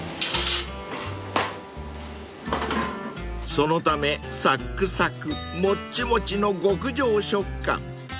［そのためサックサクモッチモチの極上食感］